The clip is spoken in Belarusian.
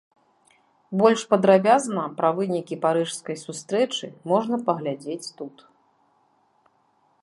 Больш падрабязна пра вынікі парыжскай сустрэчы можна паглядзець тут.